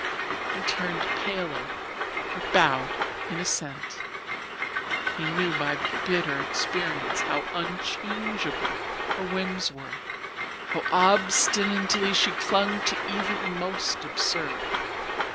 He turned paler, but bowed in assent. He knew by bitter experience how unchangeable her whims were, how obstinately she clung to even the most absurd.